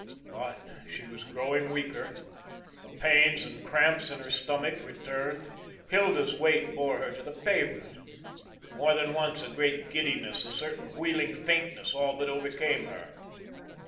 But she was growing weaker; the pains and cramps in her stomach returned. Hilda's weight bore her to the pavement. More than once a great giddiness, a certain wheeling faintness all but overcame her.